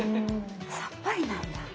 さっぱりなんだ。